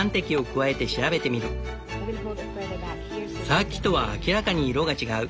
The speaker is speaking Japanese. さっきとは明らかに色が違う。